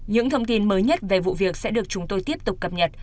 những thông tin mới nhất về vụ việc sẽ được chúng tôi tiếp tục cập nhật